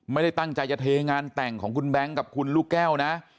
ไม่ได้ตั้งใจจะเทงานแต่งของคุณแบงค์กับคุณลูกแก้วนะ